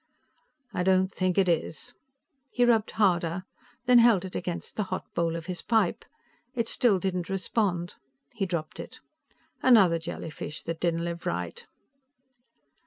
"I don't think it is." He rubbed harder, then held it against the hot bowl of his pipe. It still didn't respond. He dropped it. "Another jellyfish that didn't live right."